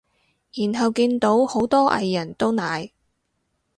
然後見到好多藝人都奶